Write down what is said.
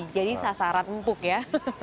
jadi sasaran empuk ya